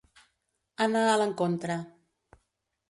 Anar a l'encontre.